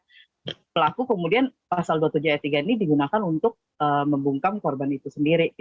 jadi pelaku kemudian pasal dua puluh tujuh ayat tiga ini digunakan untuk membungkam korban itu sendiri